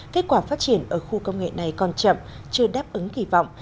kết quả phát triển ở khu công nghệ này còn chậm chưa đáp ứng kỳ vọng